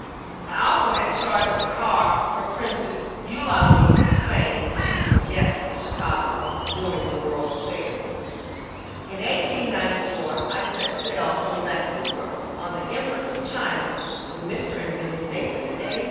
I also had charge of the car for Princess Eulalie of Spain, when she was the guest of Chicago during the World's Fair. In 1894 I set sail from Vancouver on the Empress of China with Mr. and Mrs. Nathan A.